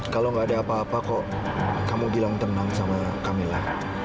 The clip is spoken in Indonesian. kalau gak ada apa apa kok kamu bilang tenang sama kami lah